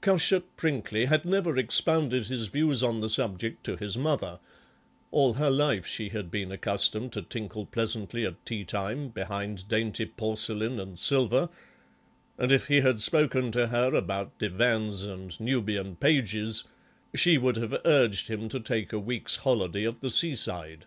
Cushat Prinkly had never expounded his views on the subject to his mother; all her life she had been accustomed to tinkle pleasantly at tea time behind dainty porcelain and silver, and if he had spoken to her about divans and Nubian pages she would have urged him to take a week's holiday at the seaside.